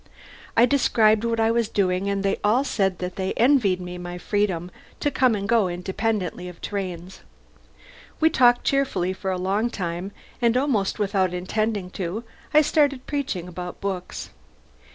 I described what I was doing and they all said they envied me my freedom to come and go independently of trains. We talked cheerfully for a long time, and almost without intending to, I started preaching about books.